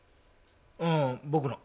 うん僕の。